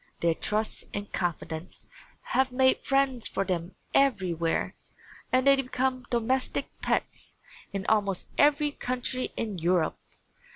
Their trust and confidence have made friends for them everywhere and they become domestic pets in almost every country in Europe.